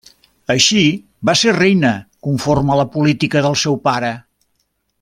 Així va ser reina, conforme a la política del seu pare.